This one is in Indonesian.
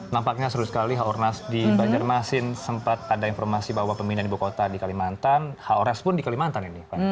nampaknya seru sekali haornas di banjarmasin sempat ada informasi bahwa pemindahan ibu kota di kalimantan haoras pun di kalimantan ini